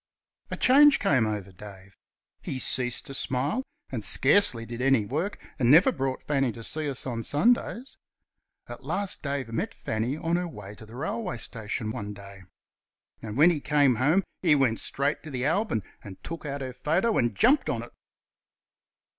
A change came over Dave. He ceased to smile, and scarcely did any work, and never brought Fanny to see us on Sundays. At last Dave met Fanny on her way to the railway station one day, and when he came home he went straight to the album and took out her photo and jumped on it.